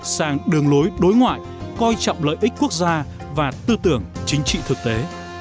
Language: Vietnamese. sang đường lối đối ngoại coi trọng lợi ích quốc gia và tư tưởng chính trị thực tế